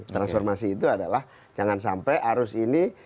transformasi itu adalah jangan sampai arus ini